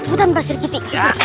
udah mbak siti